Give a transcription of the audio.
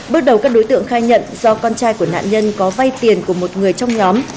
bước đầu các đối tượng khai nhận do con trai của nạn nhân có vay tiền của một người trong nhóm